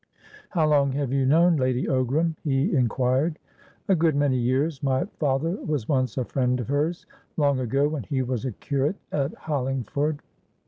"How long have you known Lady Ogram?" he inquired. "A good many years. My father was once a friend of herslong ago, when he was a curate at Hollingford."